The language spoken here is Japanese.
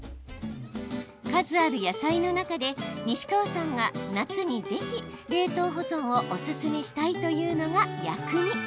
数ある野菜の中で西川さんが夏にぜひ冷凍保存をおすすめしたいというのが薬味。